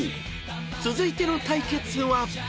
［続いての対決は］